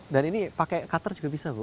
dan ini pakai cutter juga bisa bu